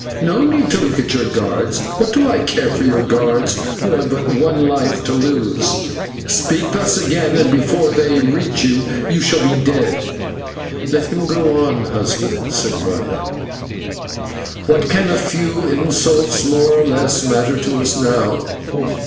No need to look at your guards. What do I care for your guards, who have but one life to lose. Speak thus again, and, before they reach you, you shall be dead." "Let him go on, husband," said Maya; "what can a few insults more or less matter to us now.